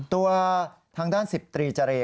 ตัวทางด้านสิบตรีจะเร